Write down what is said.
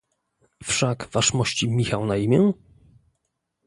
"Wszak waszmości Michał na imię?"